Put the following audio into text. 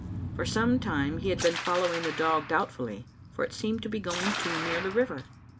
For some time he had been following the dog doubt fully, for it seemed to be going too near the river.